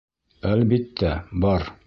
— Әлбиттә, бар.